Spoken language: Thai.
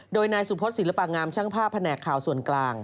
โดยนายสุพศศิลปะงามช่างภาพแผนกข่าวส่วนกลาง